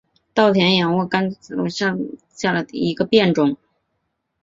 稻田仰卧秆藨草为莎草科藨草属下的一个变种。